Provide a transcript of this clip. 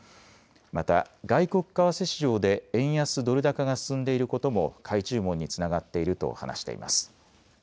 また、外国為替市場で円安ドル高が進んでいることも、買い注文につながっていると話しています。